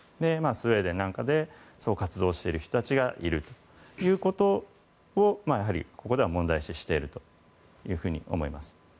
スウェーデンなんかで活動している人たちがいるということをここでは問題視しているというふうに思います。